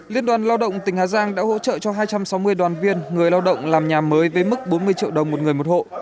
liên đoàn lao động tỉnh hà giang đã hỗ trợ cho hai trăm sáu mươi đoàn viên người lao động làm nhà mới với mức bốn mươi triệu đồng một người một hộ